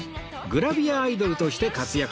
グラビアアイドルとして活躍